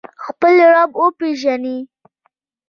خپل رب وپیژنئ